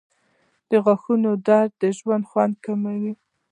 • د غاښونو درد د ژوند خوند کموي.